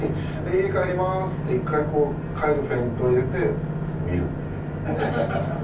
「家帰りまーす」って一回こう帰るフェイントを入れて見るっていう。